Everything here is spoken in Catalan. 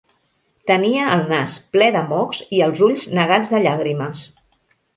Tenia el nas ple de mocs i els ulls negats de llàgrimes.